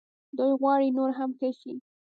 دوی غواړي نور هم ښه شي.